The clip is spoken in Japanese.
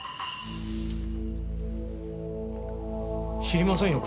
知りませんよ